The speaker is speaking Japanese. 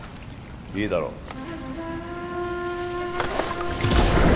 いいだろう